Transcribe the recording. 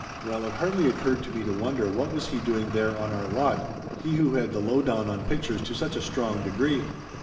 Well, it hardly occurred to me to wonder what was he doing there on our lot, he who had the lowdown on pictures to such a strong degree.